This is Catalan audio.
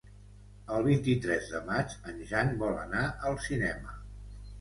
El vint-i-tres de maig en Jan vol anar al cinema.